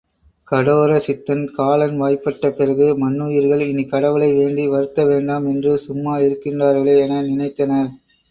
கடோரசித்தன் காலன்வாய்ப்பட்ட பிறகு மன்னுயிர்கள் இனிக்கடவுளை வேண்டி வருத்தவேண்டாம் என்று சும்மா இருக்கின்றார்களோ? என நினைத்தனர்.